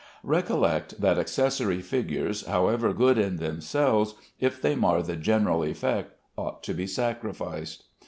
Recollect that accessory figures, however good in themselves, if they mar the general effect, ought to be sacrificed.